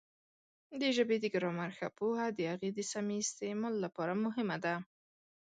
د ژبې د ګرامر ښه پوهه د هغې د سمې استعمال لپاره مهمه ده.